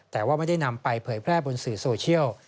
แต่ว่าไม่ได้นำไปเผยแพร่บนสื่อโซเชียล